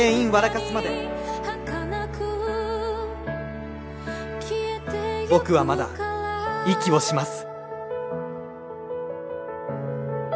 かすまで僕はまだ息をします